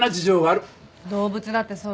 動物だってそうだよ。